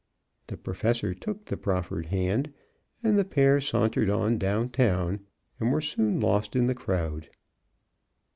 The Professor took the proffered hand, and the pair sauntered on down town, and were soon lost in the crowd.